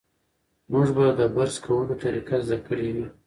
موږ به د برس کولو طریقه زده کړې وي.